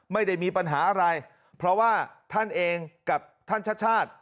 ไม่ได้มีปัญหาอะไรเพราะว่าท่านเองกับท่านชาติชาติ